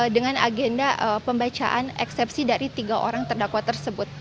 dengan agenda pembacaan eksepsi dari tiga orang terdakwa tersebut